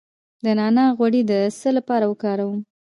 د نعناع غوړي د څه لپاره وکاروم؟